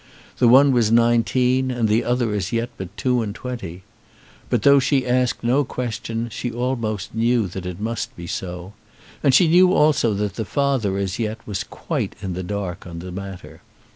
The one was nineteen and the other as yet but two and twenty! But though she asked no questions she almost knew that it must be so. And she knew also that the father, as yet, was quite in the dark on the matter.